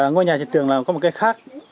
ngôi nhà trịnh tường là một cái khác